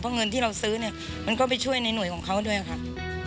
เพราะเงินที่เราซื้อเนี่ยมันก็ไปช่วยในหน่วยของเขาด้วยครับ